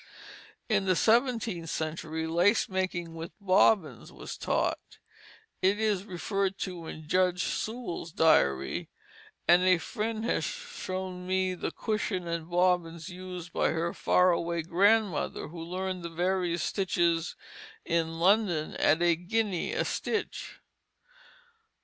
In the seventeenth century lace making with bobbins was taught; it is referred to in Judge Sewall's diary; and a friend has shown me the cushion and bobbins used by her far away grandmother who learned the various stitches in London at a guinea a stitch.